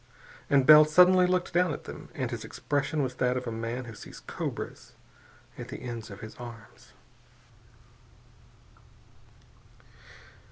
And Bell suddenly looked down at them, and his expression was that of a man who sees cobras at the ends of his arms.